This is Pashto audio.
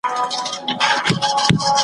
په ټولۍ د ګیدړانو کي غښتلی .